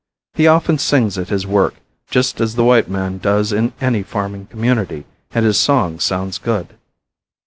He often sings at his work, just as the white man does in any farming community, and his song sounds good.